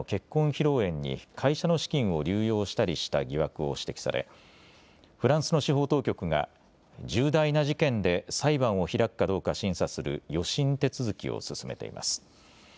披露宴に会社の資金を流用したりした疑惑を指摘されフランスの司法当局が重大な事件で裁判を開くかどうか審査する予審手続きを進めています。